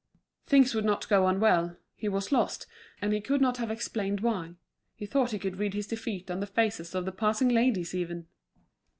Things would not go on well, he was lost, and he could not have explained why; he thought he could read his defeat on the faces of the passing ladies even.